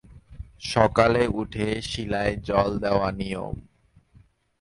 সকালে উঠে শিলায় জল দেওয়া নিয়ম।